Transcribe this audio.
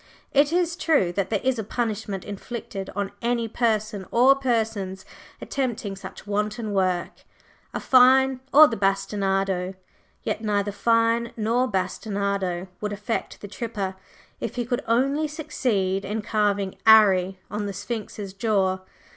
It is true that there is a punishment inflicted on any person or persons attempting such wanton work a fine or the bastinado; yet neither fine nor bastinado would affect the "tripper" if he could only succeed in carving "'Arry" on the Sphinx's jaw.